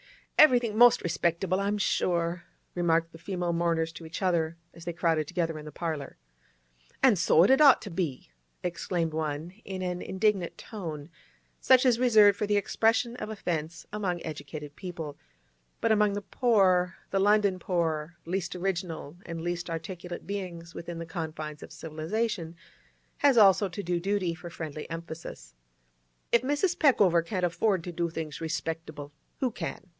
'Everythink most respectable, I'm sure!' remarked the female mourners to each other, as they crowded together in the parlour. 'An' so it had ought to be!' exclaimed one, in an indignant tone, such as is reserved for the expression of offence among educated people, but among the poor—the London poor, least original and least articulate beings within the confines of civilisation—has also to do duty for friendly emphasis. 'If Mrs. Peckover can't afford to do things respectable, who can?